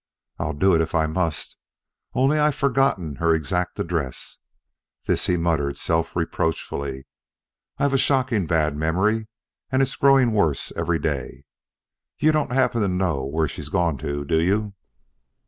I'll do it if I must only I've forgotten her exact address." This he muttered self reproachfully, "I've a shocking bad memory, and it's growing worse every day. You don't happen to know where she's gone to, do you?"